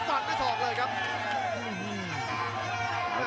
ฟันด้วยศอกเลยครับ